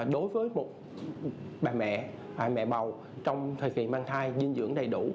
đối với một bà mẹ mẹ bầu trong thời kỳ mang thai dinh dưỡng đầy đủ